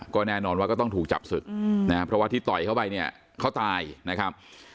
ก็แน่นอนว่าก็ต้องถูกจับศึกนะครับเพราะว่าที่ต่อยเข้าไปเนี่ยเขาตายนะครับ